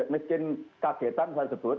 miskin kagetan saya sebut